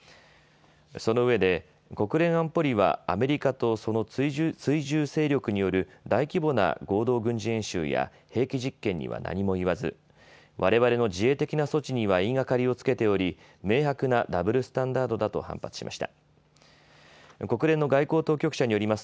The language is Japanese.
そのうえで国連安保理はアメリカとその追従勢力による大規模な合同軍事演習や兵器実験には何も言わずわれわれの自衛的な措置には言いがかりをつけており明白なダブルスタンダードだと反発しました。